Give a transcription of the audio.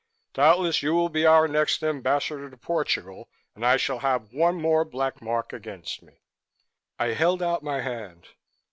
Doubtless you will be our next Ambassador to Portugal and I shall have one more black mark against me." I held out my hand.